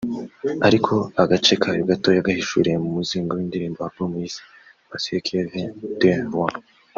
ariko agace kayo gato yagahishuriye mu muzingo w’indirimbo (Album) yise ‘Parce qu’on vient de loin’